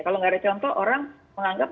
kalau nggak ada contoh orang menganggap